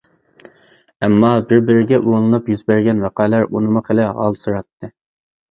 ئەمما بىر-بىرىگە ئۇلىنىپ يۈز بەرگەن ۋەقەلەر ئۇنىمۇ خىلى ھالسىراتتى.